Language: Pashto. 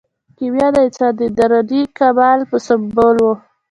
کیمیا د انسان د دروني کمال سمبول و.